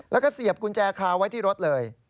แล้วก็เสียบกุญแจคาไว้ที่รถเลย